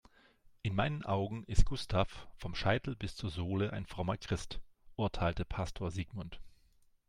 "In meinen Augen ist Gustav vom Scheitel bis zur Sohle ein frommer Christ", urteilte Pastor Sigmund.